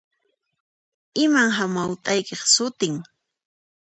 Iman hamawt'aykiq sutin?